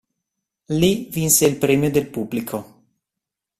Lì vinse il premio del pubblico.